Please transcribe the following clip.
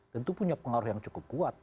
tentu punya pengaruh yang cukup kuat